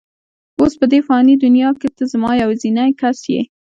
اوس په دې فاني دنیا کې ته زما یوازینۍ کس یې.